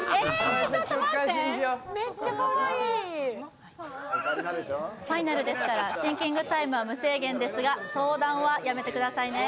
信じよう・めっちゃかわいいファイナルですからシンキングタイムは無制限ですが相談はやめてくださいね